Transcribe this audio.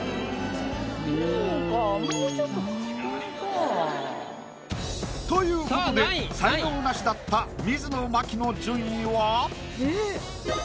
そうかということで才能ナシだった水野真紀の順位は。